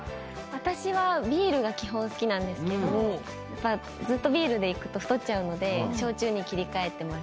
私はビールが基本好きなんですけどずっとビールでいくと太っちゃうので焼酎に切り替えてます。